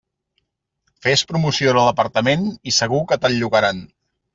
Fes promoció de l'apartament i segur que te'l llogaran.